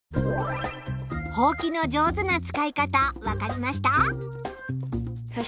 ほうきの上手な使い方分かりました？